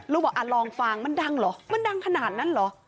บอกลองฟังมันดังเหรอมันดังขนาดนั้นเหรอ